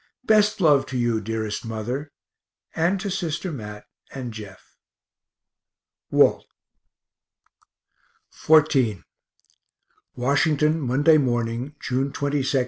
Best love to you, dearest mother, and to sister Mat, and Jeff. WALT. XIV _Washington, Monday morning, June 22, 1863.